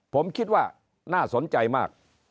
ผมคิดว่าน่าสนใจมาก